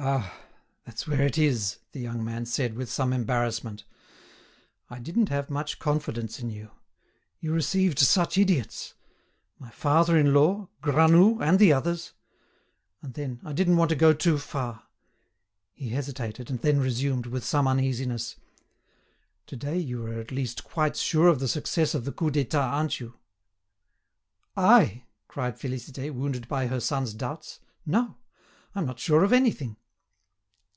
"Ah! that's where it is," the young man said, with some embarrassment. "I didn't have much confidence in you. You received such idiots: my father in law, Granoux, and the others!—And then, I didn't want to go too far. ..." He hesitated, and then resumed, with some uneasiness: "To day you are at least quite sure of the success of the Coup d'État, aren't you?" "I!" cried Félicité, wounded by her son's doubts; "no, I'm not sure of anything."